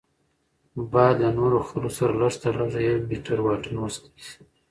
باید له نورو خلکو سره لږ تر لږه یو میټر واټن وساتل شي.